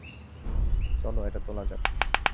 চলো এটা তোলা যাক।